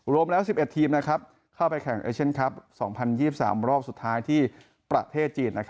รวมแล้ว๑๑ทีมเข้าไปแข่งเอเชียนคลับ๒๐๒๓รอบสุดท้ายที่ประเทศจีน